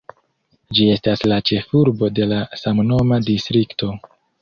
Ĝi estas la ĉefurbo de la samnoma distrikto.